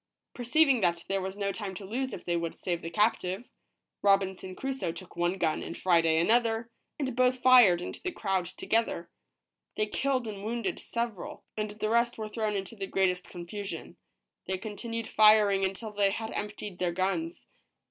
Perceiving that there was no time to lose if they would save the captive, Robinson Crusoe took one gun and Friday another, and both fired into the crowd together. They killed and wounded several, and the rest were thrown into the great est confusion. They continued firing until they had emptied their guns.